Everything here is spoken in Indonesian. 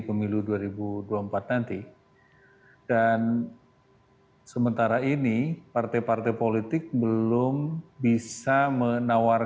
kekuatan yang lebih kuat